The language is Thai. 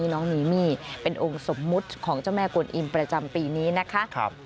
น้องนีมี่เป็นองค์สมมุติของเจ้าแม่กวนอิมประจำปีนี้นะคะ